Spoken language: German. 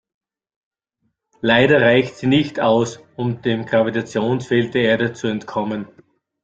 Leider reicht sie nicht aus, um dem Gravitationsfeld der Erde zu entkommen.